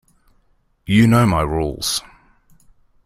You know my rules.